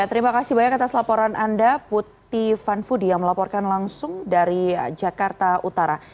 terima kasih banyak atas laporan anda putih vanfudi yang melaporkan langsung dari jakarta utara